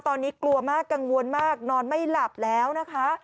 ตอนนี้กลัวมากกังวลมากนอนไม่หลับแล้วนะคะ